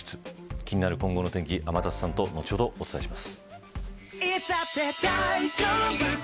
気になる今後の天気、天達さんとこの後お伝えします。